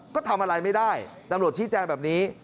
ก็ทำอะไรไม่ได้ตำรวจชี้แจงแบบนี้